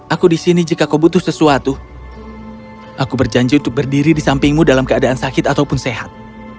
aku di sini jika kau butuh sesuatu aku berjanji untuk berdiri di sampingmu dalam keadaan sakit ataupun sehat